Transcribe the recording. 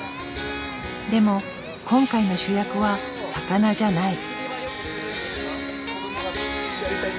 でも今回の主役は「魚」じゃない。